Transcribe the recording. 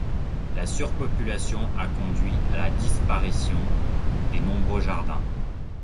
La surpopulation a conduit à la disparition des nombreux jardins.